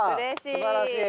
すばらしい。